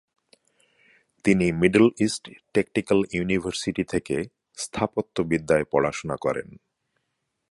তিনি Middle East Technical University থেকে স্থাপত্য বিদ্যায় পড়াশুনা করেন।